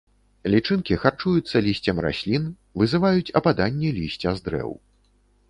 Лічынкі харчуюцца лісцем раслін, вызываюць ападанне лісця з дрэў.